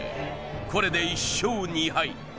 これで１勝２敗